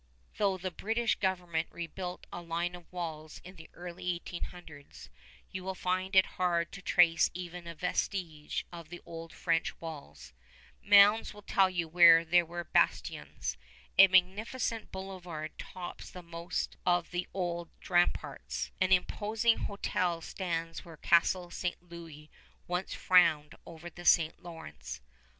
Though the British government rebuilt a line of walls in the early eighteen hundreds, you will find it hard to trace even a vestige of the old French walls. Mounds tell you where there were bastions. A magnificent boulevard tops the most of the old ramparts. An imposing hotel stands where Castle St. Louis once frowned over the St. Lawrence.